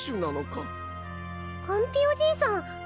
かんぴよじいさん！